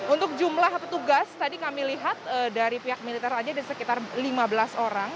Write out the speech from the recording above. untuk jumlah petugas tadi kami lihat dari pihak militer saja ada sekitar lima belas orang